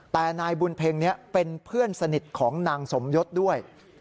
แต่นายบุญเพ็งนี้เป็นเพื่อนสนิทของนางสมยศด้วย